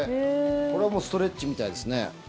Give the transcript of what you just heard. これはもうストレッチみたいですね。